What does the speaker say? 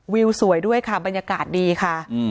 วิวสวยด้วยค่ะบรรยากาศที่นึกจากนั้น